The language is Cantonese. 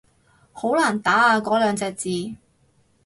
好難打啊嗰兩隻字